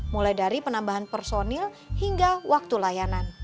mulai dari penambahan personil hingga waktu layanan